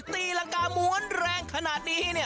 ตีรังการม้วนแรงขนาดนี้